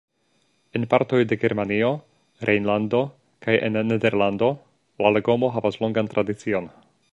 En partoj de Germanio, Rejnlando kaj en Nederlando la legomo havas longan tradicion.